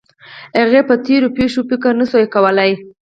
هغې به په تېرو پېښو فکر نه شو کولی